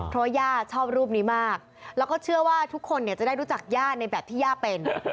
เพราะว่าย่าชอบรูปนี้มากแล้วก็เชื่อว่าทุกคนเนี่ยจะได้รู้จักย่าในแบบที่ย่าเป็น